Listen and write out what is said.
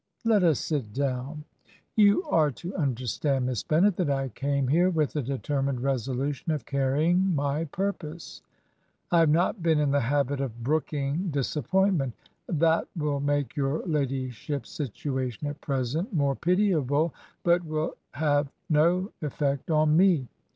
... Let us sit down. You are to understand. Miss Bennet, that I came here with the determined resolution of carrying my purpose. ... I have not been in the habit of brooking disap pointment.' 'That will make your ladyship's situa tion at present more pitiable; but it will have no effect on me.'